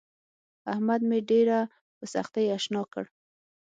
احمد مې ډېره په سختي اشنا کړ.